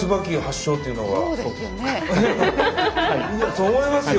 そう思いますよ